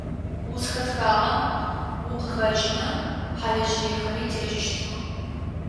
Узхэтхагъэм укъыхэкӏымэ хьалыжыехэри текӏыщтых.